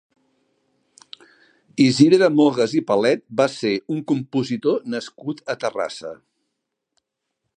Isidre Mogas i Palet va ser un compositor nascut a Terrassa.